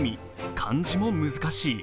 漢字も難しい。